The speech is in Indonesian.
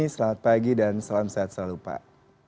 selamat pagi dan salam sehat selalu pak